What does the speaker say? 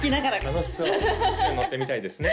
楽しそう一緒に乗ってみたいですね